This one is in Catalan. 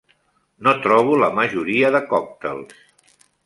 No trobo la majoria de còctels.